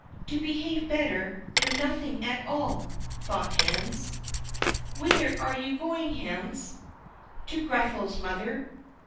"To behave better, do nothing at all," thought Hans. "Whither are you going, Hans?" "To Grethel's, mother."